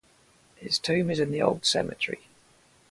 His tomb is in the Old Cemetery.